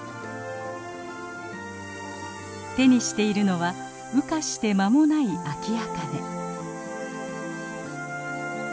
手にしているのは羽化して間もないアキアカネ。